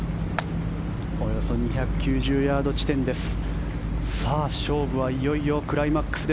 およそ２９０ヤード地点です。